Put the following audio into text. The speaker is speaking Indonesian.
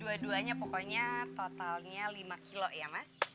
dua duanya pokoknya totalnya lima kilo ya mas